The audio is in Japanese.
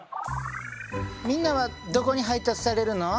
みんなはどこに配達されるの？